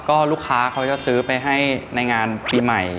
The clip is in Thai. ก็ลูกค้าเขาจะซื้อไปให้ในงานปีใหม่